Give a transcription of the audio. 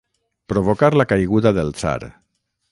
Provocar la caiguda del tsar.